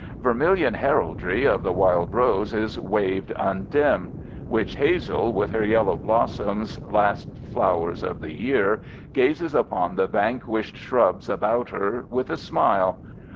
Vermilion heraldry of the wild rose is waved undimmed. Witch hazel with her yellow blossoms, last flowers of the year, gazes upon the vanquished shrubs about her with a smile.